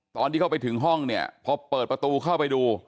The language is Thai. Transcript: ตอนที่เข้าไปถึงห้องเนี่ยพอเปิดประตูเข้าไปดู